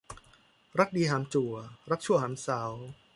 รักดีหามจั่ว รักชั่วหามเสา